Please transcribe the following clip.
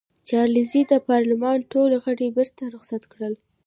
چارلېز د پارلمان ټول غړي بېرته رخصت کړل.